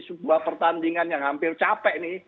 sebuah pertandingan yang hampir capek nih